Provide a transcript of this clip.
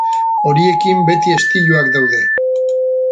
Horiekin beti istiluak daude.